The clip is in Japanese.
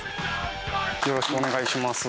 よろしくお願いします。